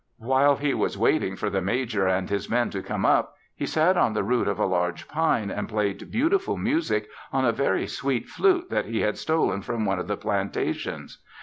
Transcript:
While he was waiting for the major and his men to come up he sat at the root of a large pine and played beautiful music on a very sweet flute that he had stolen from one of the plantations.